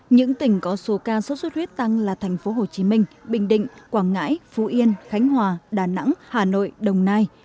những tỉnh có số ca sốt xuất huyết tăng là thành phố hồ chí minh bình định quảng ngãi phú yên khánh hòa đà nẵng hà nội đồng nai